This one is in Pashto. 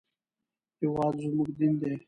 هېواد زموږ دین دی